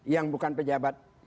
yang bukan pejabat